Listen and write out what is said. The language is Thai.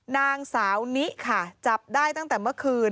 นางสาวนิค่ะจับได้ตั้งแต่เมื่อคืน